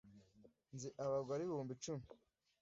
nzi abagore ibihumbi icumi